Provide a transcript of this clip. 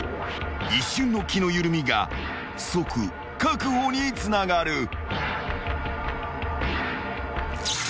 ［一瞬の気の緩みが即確保につながる］